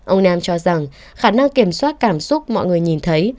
ông nam cho rằng khả năng kiểm soát cảm xúc mọi người nhìn thấy